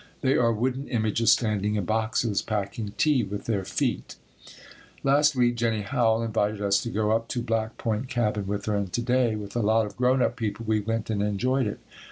They are wooden images standing in boxes, packing tea with their feet. Last week Jennie Howell invited us to go up to Black Point Cabin with her and to day with a lot of grown up people we went and enjoyed it.